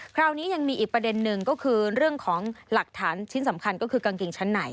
คราวนี้ยังมีอีกประเด็นหนึ่งก็คือเรื่องของหลักฐานชิ้นสำคัญก็คือกางเกงชั้นไหน